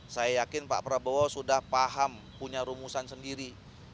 saya yakin pak prabowo sudah paham punya rumusan sendiri